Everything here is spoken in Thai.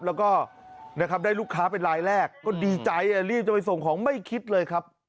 แล้วก็นะครับได้ลูกค้าเป็นรายแรกก็ดีใจรีบจะไปส่งของไม่คิดเลยครับ